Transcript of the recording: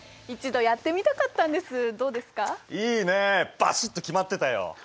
バシッと決まってたよ。